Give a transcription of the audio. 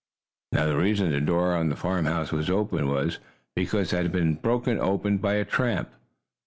Now the reason the door of the farmhouse was open was because it had been broken open by a tramp!